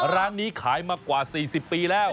ร้านนี้ขายมากว่า๔๐ปีแล้ว